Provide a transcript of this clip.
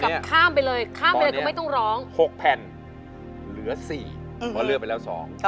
ข้ามไปเลยข้ามไปเลยก็ไม่ต้องร้อง๖แผ่นเหลือ๔เพราะเลือกไปแล้ว๒